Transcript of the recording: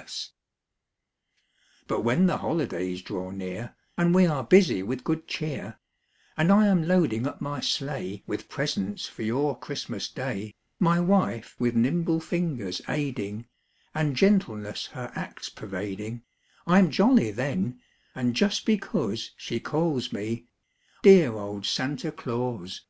'" C ' S '^!' S > jn|B r*5v;'j ll 1 S I 1 1 1 1^*1 Copyrighted, 1897 lUT when the holidays draw near And we are busy with good cheer, And I am loading up my sleigh With presents for your Christmas Day, My wife with nimble fingers aiding, And gentleness her acts pervading, I'm jolly then, and just because She calls me 'dear old Santa Claus.